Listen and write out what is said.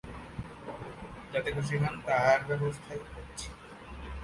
যাতে খুশি হন তার ব্যবস্থা করছি।